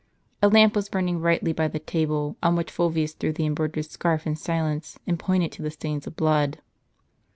A lamp was burning brightly by the table, on which Fulvius threw the embroid ered scarf in silence, and pointed to the stains of blood.